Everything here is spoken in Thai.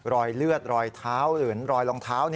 รอยเลือดรอยเท้าหรือรอยรองเท้า